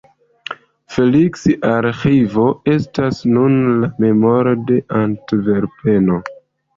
Feliks-Arĥivo estas nun la memoro de Antverpeno.